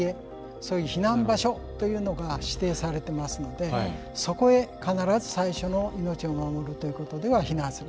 そういう避難場所というのが指定されてますのでそこへ必ず最初の命を守るということでは避難する。